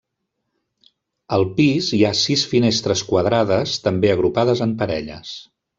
Al pis hi ha sis finestres quadrades, també agrupades en parelles.